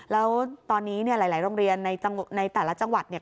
แล้วตอนนี้เนี่ยหลายโรงเรียนในแต่ละจังหวัดเนี่ย